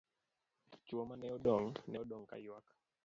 Chuo mane odong', ne odong' kaywak.